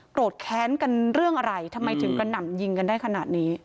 แค้นกันเรื่องอะไรทำไมถึงกระหน่ำยิงกันได้ขนาดนี้